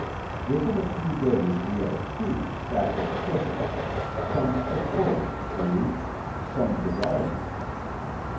Within a few days we had a huge stack of clippings, some supporting True, some deriding us.